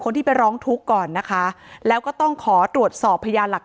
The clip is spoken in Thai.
ที่ไปร้องทุกข์ก่อนนะคะแล้วก็ต้องขอตรวจสอบพยานหลักฐาน